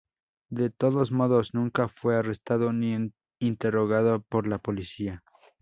De todos modos, nunca fue arrestado ni interrogado por la policía.